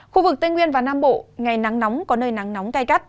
khu vực tây nguyên và nam bộ ngày nắng nóng có nơi nắng nóng cay cắt